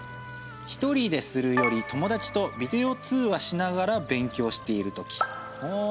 「一人でするより友だちとビデオ通話しながら勉強しているとき」。